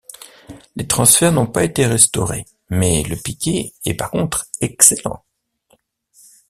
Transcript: Les transferts n'ont pas été restaurés mais le piqué est par contre excellent.